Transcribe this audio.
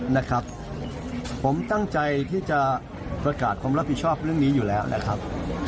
นะครับผมตั้งใจที่จะประกาศความรับผิดชอบเรื่องนี้อยู่แล้วนะครับ